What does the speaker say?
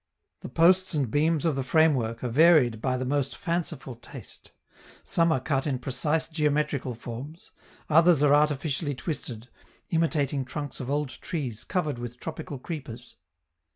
The posts and beams of the framework are varied by the most fanciful taste: some are cut in precise geometrical forms; others are artificially twisted, imitating trunks of old trees covered with tropical creepers.